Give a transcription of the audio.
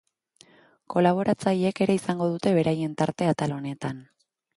Kolaboratzaileek ere izango dute beraien tartea atal honetan.